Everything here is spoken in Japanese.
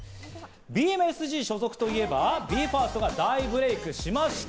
ＢＭＳＧ所属といえば、ＢＥ：ＦＩＲＳＴが大ブレークしました。